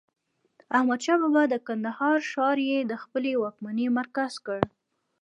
احمدشاه بابا د کندهار ښار يي د خپلې واکمنۍ مرکز کړ.